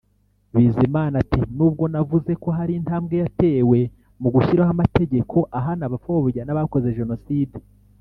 Bizimana ati “Nubwo navuze ko hari intambwe yatewe mu gushyiraho amategeko ahana abapfobya n’abakoze Jenoside